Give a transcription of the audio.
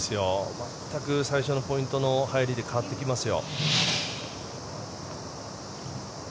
全く最初のポイントの入りで変わってきますよ。